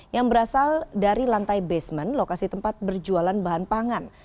yang berasal dari lantai basement lokasi tempat berjualan bahan pangan